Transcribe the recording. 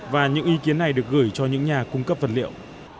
và những ý kiến này được gửi cho những nhà cung cấp vật liệu